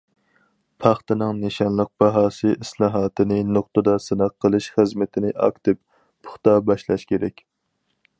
پاختىنىڭ نىشانلىق باھاسى ئىسلاھاتىنى نۇقتىدا سىناق قىلىش خىزمىتىنى ئاكتىپ، پۇختا باشلاش كېرەك.